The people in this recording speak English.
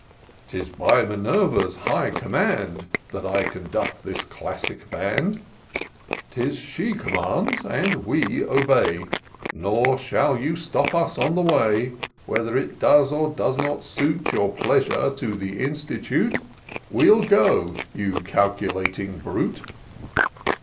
'Tis by Minerva's high command, That I conduct this classic band ; 'Tis she commands, and we obey ; Nor shall you stop us on the way : Whether it does or does not suit Your pleasure, to the Institute We'll go, you calculating brute